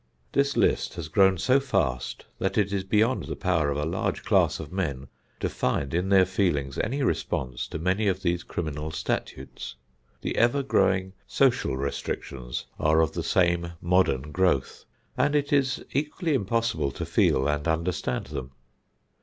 This list has grown so fast that it is beyond the power of a large class of men to find in their feelings any response to many of these criminal statutes. The ever growing social restrictions are of the same modern growth, and it is equally impossible to feel and understand them.